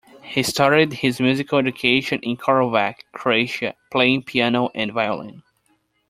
He started his musical education in Karlovac, Croatia, playing piano and violin.